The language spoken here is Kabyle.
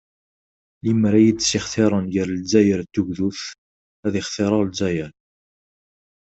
"Limer ad iyi-ssextiṛen gar Lezzayer d tugdut, ad xtireɣ Lezzayer."